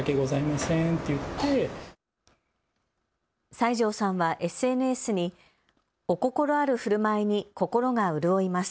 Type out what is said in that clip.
西條さんはＳＮＳにお心あるふるまいに心が潤います。